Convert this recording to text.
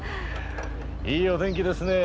いいお天気ですねえ。